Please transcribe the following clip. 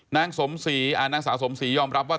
นางสาวสมศรียอมรับว่า